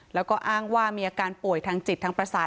แล้วก็อ้างว่ามีอาการป่วยทางจิตทางประสาท